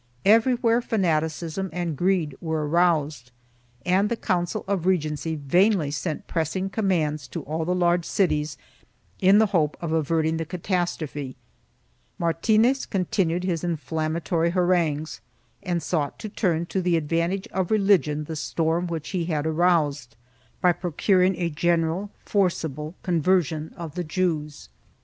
Everywhere fanaticism and greed were aroused and the Council of Regency vainly sent pressing commands to all the large cities, in the hope of averting the catastrophe. Martinez continued his inflamma 1 Acta capitular, ubi sup. CHAP. Ill] THE MASSACRES OF 1391 107 tory harangues and sought to turn to the advantage of religion, the storm which he had aroused, by procuring a general forcible conversion of the Jews.